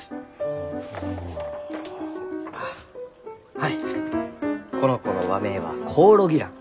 はいこの子の和名はコオロギラン。